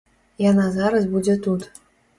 Яна зараз будзе тут.